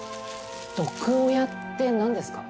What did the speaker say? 毒親ってなんですか？